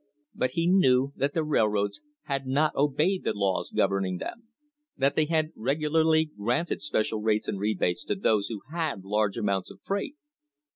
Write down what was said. But he knew that the railroads had not obeyed the laws governing them, that they had regularly granted special rates and rebates to those who had large amounts of freight.